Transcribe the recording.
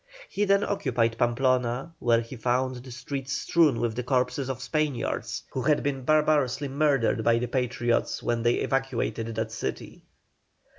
He then occupied Pamplona, where he found the streets strewn with the corpses of Spaniards, who had been barbarously murdered by the Patriots when they evacuated that city.